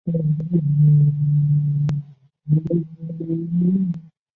乌斯季纽克扎村委员会是俄罗斯联邦阿穆尔州腾达区所属的一个村委员会。